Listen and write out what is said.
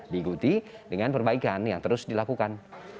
diikuti dengan perbaikan yang terus dilakukan